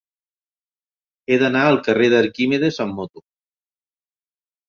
He d'anar al carrer d'Arquímedes amb moto.